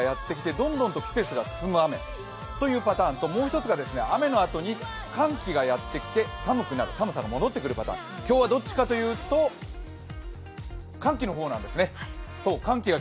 何かというと、雨のあとに暖かい空気がやってきてどんどんと季節が進む雨というパターンと、もう一つが雨のあとに寒気がやってきて寒さが戻ってくるパターン。今日はどっちかというと、寒気の方なんですね。